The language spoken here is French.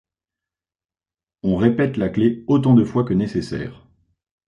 On répète la clé autant de fois que nécessaire.